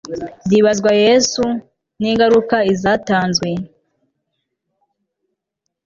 by ibazwa yesu ningaruka izatanzwe